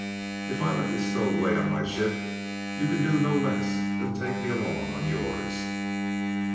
If I let you stow away on my ship you can do no less than take me along on yours!"